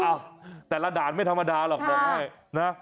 อ้าวแต่ละดานไม่ธรรมดาหรอกบอกให้